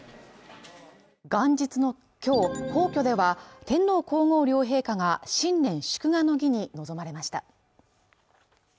元日の今日、皇居では天皇・皇后両陛下が新年祝賀の儀に臨まれました。